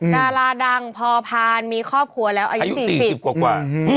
ดาราดังพอพานมีครอบครัวแล้วอายุ๔๐กว่า